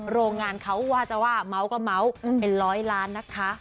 โรงงานเขาว่าจะว่าเมาก็เมาส์เป็นร้อยล้านนะคะ